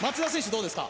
どうですか？